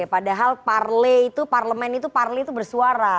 padahal parle itu parlemen itu bersuara